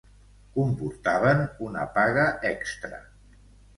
Comportaven una paga extra